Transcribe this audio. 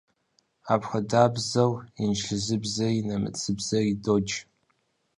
Апхуэдабзэу инджылызыбзэри нэмыцэбзэри додж.